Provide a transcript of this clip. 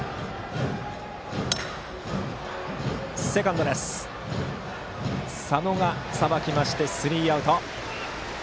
セカンド、佐野がさばいてスリーアウト。